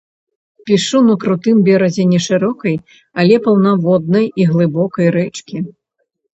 Пішу на крутым беразе нешырокай, але паўнаводнай і глыбокай рэчкі.